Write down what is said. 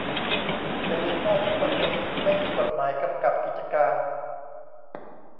อย่าลืมว่าทุกวันนี้ไม่มีกฎหมายกำกับกิจการ